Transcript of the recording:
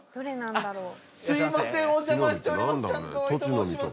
すいませんお邪魔しております